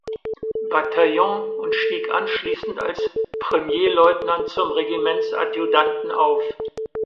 Bataillons und stieg anschließend als Premierleutnant zum Regimentsadjutanten auf.